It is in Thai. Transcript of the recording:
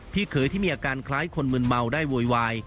เคยที่มีอาการคล้ายคนมืนเมาได้โวยวาย